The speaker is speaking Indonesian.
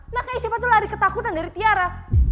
makanya sisyifa tuh lari ketakutan dari tiara